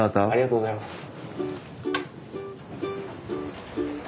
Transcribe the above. ありがとうございます。